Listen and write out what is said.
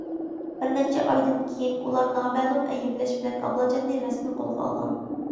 بىر نەچچە ئايدىن كىيىن، ئۇلار نامەلۇم ئەيىبلەش بىلەن ئابلاجاننى رەسمىي قولغا ئالغان.